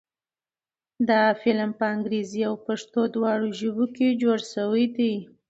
دا فلم په انګريزۍ او پښتو دواړو ژبو کښې جوړ شوے دے